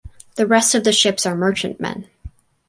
The rest of the ships are merchantmen.